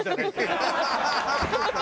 ハハハハ！